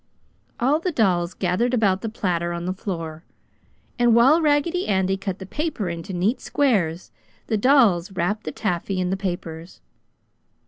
All the dolls gathered about the platter on the floor, and while Raggedy Andy cut the paper into neat squares, the dolls wrapped the taffy in the papers.